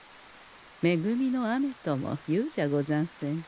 めぐみの雨ともいうじゃござんせんか。